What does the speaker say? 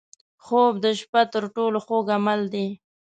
خوب د شپه تر ټولو خوږ عمل دی